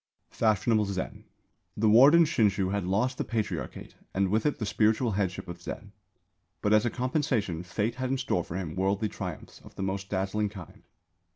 FASHIONABLE ZEN. The warden Shinshū had lost the Patriarchate and with it the spiritual headship of Zen. But as a compensation Fate had in store for him worldly triumphs of the most dazzling kind.